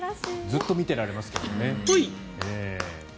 ずっと見ていられますけどね。